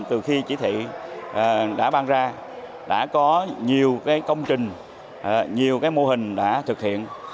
từ khi chỉ thị đã ban ra đã có nhiều công trình nhiều mô hình đã thực hiện